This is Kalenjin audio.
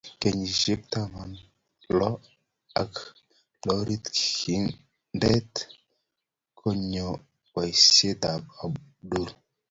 Kenyisiek tamanwogik lo ak lorit kindet koyoe boisietab Abdul